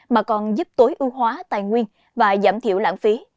mà còn giúp tối ưu hóa tài nguyên và giảm thiểu lãng phí